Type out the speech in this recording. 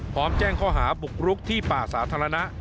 พร้อมแจ้งข้อหาบุกรุกที่ป่าสาธารณะ